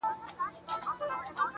له درېيم کوره راغلې څه ځلا ده~